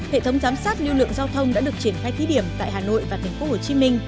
hệ thống giám sát lưu lượng giao thông đã được triển khai thí điểm tại hà nội và tp hcm